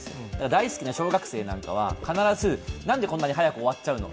大好きな小学生なんかは必ずなんでこんなに早く終わっちゃうの？